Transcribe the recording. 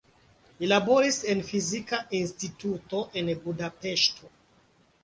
Li laboris en fizika instituto en Budapeŝto.